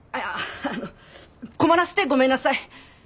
困らせてごめんなさい。